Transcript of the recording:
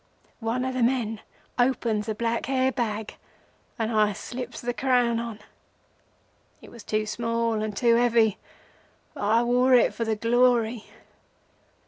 "One of the men opens a black hair bag and I slips the crown on. It was too small and too heavy, but I wore it for the glory.